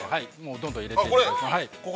どんどん入れていただいて。